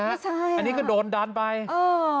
ใช่อ่ะอันนี้ก็โดนดันไปเออ